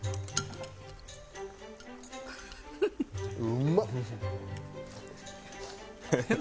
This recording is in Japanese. うまっ！